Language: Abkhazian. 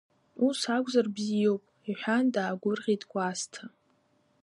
Ус акәзар бзиоуп, — иҳәан даагәырӷьеит Кәасҭа.